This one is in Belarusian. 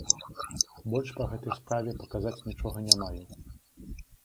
Больш па гэтай справе паказаць нічога не маю.